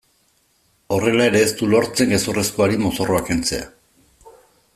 Horrela ere ez du lortzen gezurrezkoari mozorroa kentzea.